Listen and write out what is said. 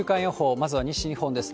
まずは西日本です。